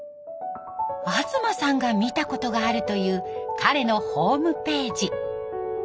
東さんが見たことがあるという彼のホームページ。